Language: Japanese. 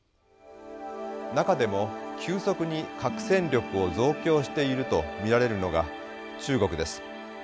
中でも急速に核戦力を増強していると見られるのが中国です。